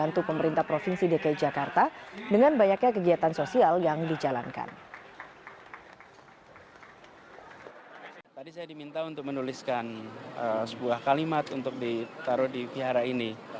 tadi saya diminta untuk menuliskan sebuah kalimat untuk ditaruh di wihara ini